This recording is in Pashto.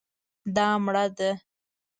دا مړه ده